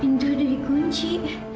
pintu udah dikunci